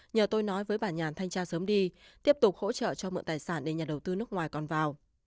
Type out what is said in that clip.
nhờ tôi nói với bà nhàn thanh tra sớm đi tiếp tục hỗ trợ cho mượn tài sản để nhà đầu tư nước ngoài còn vào